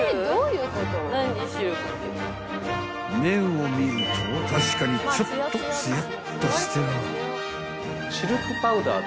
［麺を見ると確かにちょっとつやっとしてらぁ］